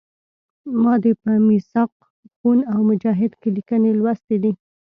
ما دې په میثاق خون او مجاهد کې لیکنې لوستي دي.